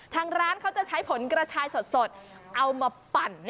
ทางร้านเขาจะใช้ผลกระชายสดเอามาปั่น